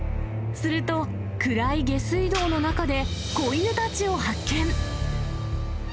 すると、暗い下水道の中で子犬たちを発見。